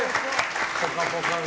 「ぽかぽか」が。